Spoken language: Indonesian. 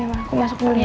aku masuk dulu ya